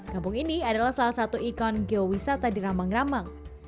kampung ini adalah salah satu ikon geowisata di ramang ramang